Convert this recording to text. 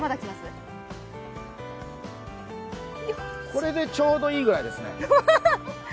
これでちょうどいいぐらいですね。